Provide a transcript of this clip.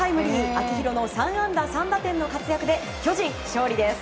秋広の３安打３打点の活躍で巨人、勝利です。